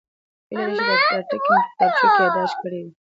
هیله ده چې دا ټکي مو په کتابچو کې یادداشت کړي وي